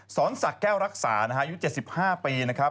สอนศักดิ์แก้วรักษายุค๗๕ปีนะครับ